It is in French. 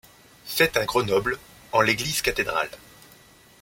Faite à Grenoble, en l'église cathédrale.